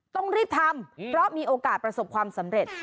ต้องรีบทำเพราะมีโอกาสประสบความสำเร็จ